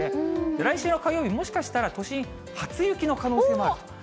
来週の火曜日、もしかしたら、都心、初雪の可能性もある。